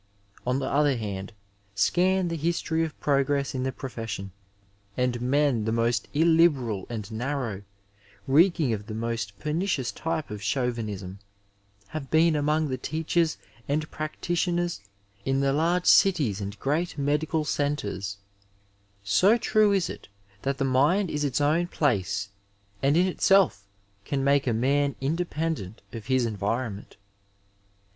On the other hand, scan the history of progress in the profession, and men the most illiberal and narrow, reeking of the most pemi 294 Digitized by VjOOQIC CHAUVINISM IN MEDICINE oioiiB type of Chauvinism, liave been among the teachers and practitioners in the large cities and great medical centres ; so true is it, that the mind is its own place and in itself can make a man independent of his environment.